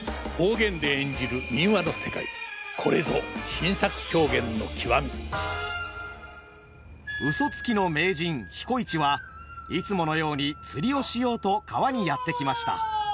再演を重ねていまやうそつきの名人彦市はいつものように釣りをしようと川にやって来ました。